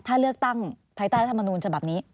ถ้าเลือกตั้งภายใต้รัฐมนูลฉบับนี้